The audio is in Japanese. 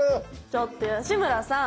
ちょっと吉村さん